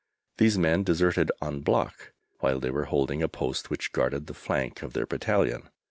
These men deserted en bloc while they were holding a post which guarded the flank of their battalion.